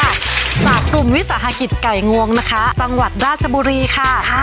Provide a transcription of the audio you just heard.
จากกลุ่มวิสาหกิจไก่งวงนะคะจังหวัดราชบุรีค่ะ